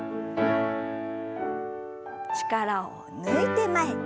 力を抜いて前。